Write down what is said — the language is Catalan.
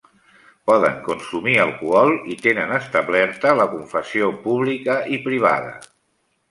Poden consumir alcohol i tenen establerta la confessió pública i privada.